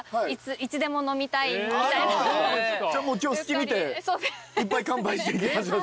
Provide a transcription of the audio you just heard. じゃあもう今日隙見ていっぱい乾杯していきましょう。